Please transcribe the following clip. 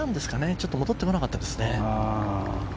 ちょっと戻ってこなかったですね。